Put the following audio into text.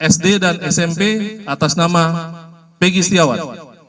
sd dan smp atas nama pegi setiawan